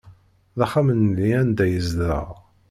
D axxam-nni anda yezdeɣ.